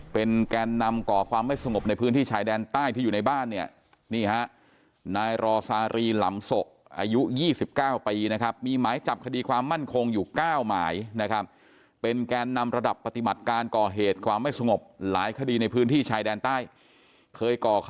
เป็นแกนนำก่อความไม่สงบในพื้นที่ชายแดนใต้ที่อยู่ในบ้านเนี่ยนี่ฮะนายรอซารีหลำโสอายุ๒๙ปีนะครับมีหมายจับคดีความมั่นคงอยู่๙หมายนะครับเป็นแกนนำระดับปฏิบัติการก่อเหตุความไม่สงบหลายคดีในพื้นที่ชายแดนใต้เคยก่อค